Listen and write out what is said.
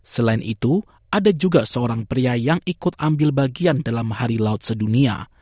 selain itu ada juga seorang pria yang ikut ambil bagian dalam hari laut sedunia